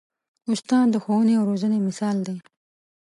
استاد د ښوونې او روزنې مثال دی.